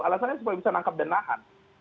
alasannya supaya bisa menangkap dan nahan